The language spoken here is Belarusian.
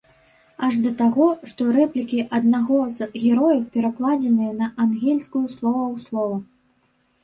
Аж да таго, што рэплікі аднаго з герояў перакладзеныя на ангельскую слова ў слова.